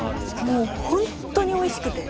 もうホントにおいしくて。